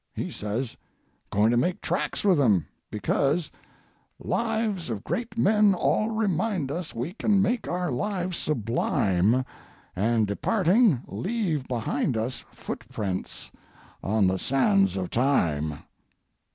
He says, 'Going to make tracks with 'em; because: "'Lives of great men all remind us We can make our lives sublime; And, departing, leave behind us Footprints on the sands of time.'